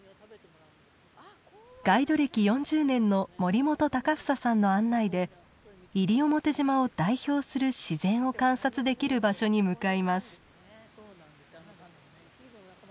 ガイド歴４０年の森本孝房さんの案内で西表島を代表する自然を観察できる場所に向かいます。